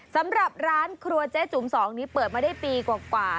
สำหรับร้านครัวเจ๊จุ๋ม๒นี้เปิดมาได้ปีกว่า